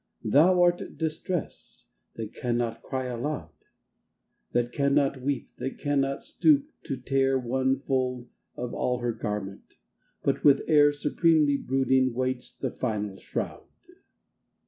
Thou art Distress — ^that cannot cry alou<^ That cannot weep, that cannot stoop to tear One fold of all her garment, but with air Supremely brooding waits the final shroud